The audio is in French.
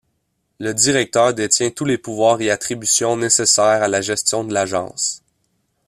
Le directeur détient tous les pouvoirs et attributions nécessaires à la gestion de lʼagence.